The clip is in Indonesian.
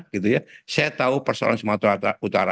saya tahu persoalan sumatera utara